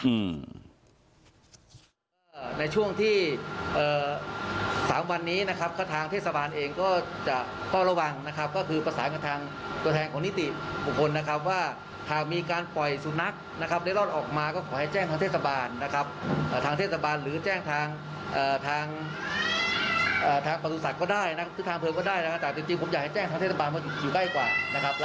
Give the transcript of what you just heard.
มาดำเนินการก็คือฉีดยาสลบนะครับ